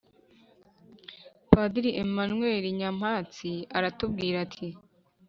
padiri emmanuel nyampatsi aratubwira ati: “